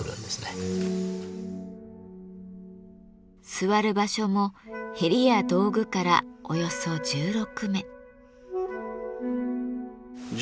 座る場所もへりや道具からおよそ１６目。